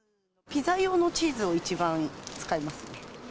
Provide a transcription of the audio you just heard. ピザ用のチーズを一番使いますね。